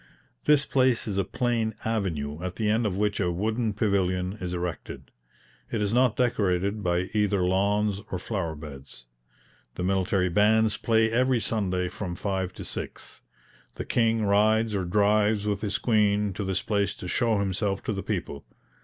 This place is a plain avenue, at the end of which a wooden pavilion is erected. It is not decorated by either lawns or flower beds. The military bands play every Sunday from five to six. The King rides or drives with his Queen to this place to show himself to the people.